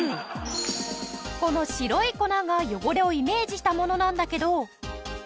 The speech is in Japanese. この白い粉が汚れをイメージしたものなんだけど。